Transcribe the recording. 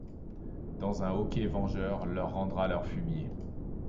Dans un hoquet vengeur leur rendra leur fumier !